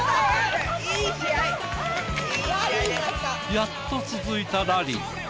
やっと続いたラリー。